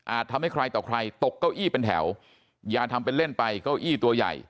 ทำให้ใครต่อใครตกเก้าอี้เป็นแถวอย่าทำเป็นเล่นไปเก้าอี้ตัวใหญ่